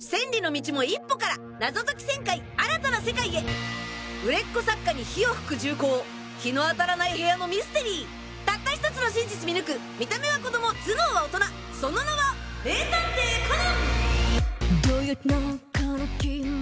千里の道も一歩から謎解き１０００回新たな世界へ売れっ子作家に火を噴く銃口陽の当たらない部屋のミステリーたった１つの真実見抜く見た目は子供頭脳は大人その名は名探偵コナン！